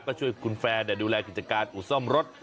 ก็ช่วยคุณแฟนดูแลกิจการอู่ซ่อมรถ